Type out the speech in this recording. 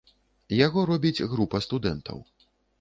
Яго робіць група студэнтаў.